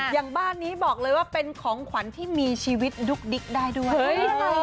อย่างบ้านนี้บอกเลยว่าเป็นของขวัญที่มีชีวิตดุ๊กดิ๊กได้ด้วย